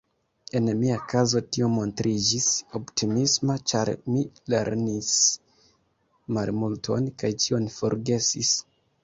En mia kazo tio montriĝis optimisma, ĉar mi lerrnis malmulton kaj ĉion forgesis.